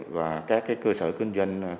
và các cơ sở kinh doanh